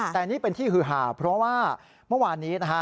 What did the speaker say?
แต่นี่เป็นที่ฮือหาเพราะว่าเมื่อวานนี้นะฮะ